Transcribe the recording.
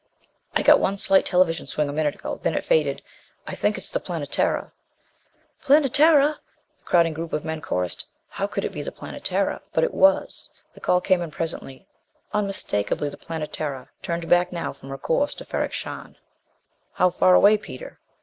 "I got one slight television swing a minute ago then it faded. I think it's the Planetara." "Planetara!" The crowding group of men chorused. How could it be the Planetara? But it was. The call came in presently. Unmistakably the Planetara, turned back now from her course to Ferrok Shahn. "How far away, Peter?"